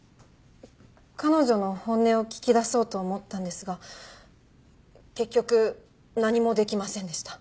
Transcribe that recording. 彼女の本音を聞き出そうと思ったんですが結局何もできませんでした。